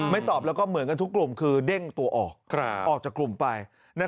ตอบแล้วก็เหมือนกันทุกกลุ่มคือเด้งตัวออกออกจากกลุ่มไป